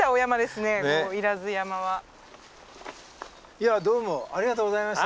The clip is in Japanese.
いやどうもありがとうございました。